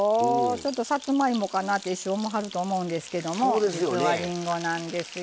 ちょっとさつまいもかなって一瞬思はるかと思うんですけどもじつはりんごなんですよ。